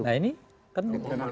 nah ini kan